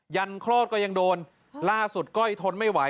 ันคลอดก็ยังโดนล่าสุดก้อยทนไม่ไหว